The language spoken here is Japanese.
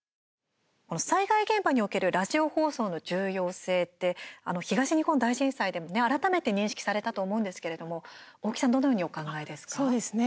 災害現場におけるラジオ放送の重要性って東日本大震災でも改めて認識されたと思うんですけれども、大木さんどのようにお考えですか。